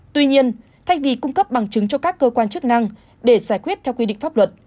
tuy nhiên thay vì cung cấp bằng chứng cho các cơ quan chức năng để giải quyết theo quy định pháp luật